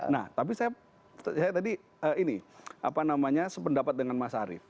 nah tapi saya tadi ini apa namanya sependapat dengan mas arief